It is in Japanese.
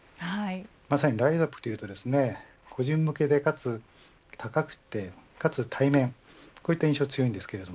まさにＲＩＺＡＰというと個人向けで高くて、かつ対面こういった印象が強いです。